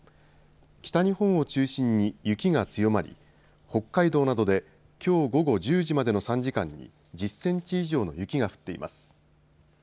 北日本を中心に雪が強まり北海道などできょう午後１０時までの３時間に１０センチ以上の雪が降っています。